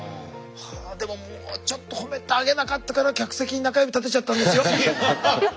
でももうちょっと褒めてあげなかったから客席に中指立てちゃったんですよ。